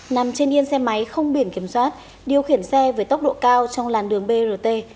nằm trên yên xe máy không biển kiểm soát điều khiển xe với tốc độ cao trong làn đường brt